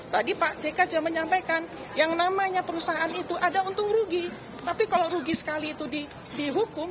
tadi pak jk juga menyampaikan yang namanya perusahaan itu ada untung rugi tapi kalau rugi sekali itu dihukum